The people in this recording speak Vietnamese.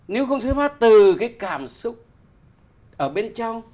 nếu không sẽ hát từ cái cảm xúc ở bên trong